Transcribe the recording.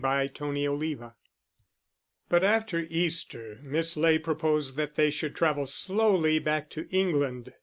Chapter XXVIII But after Easter Miss Ley proposed that they should travel slowly back to England.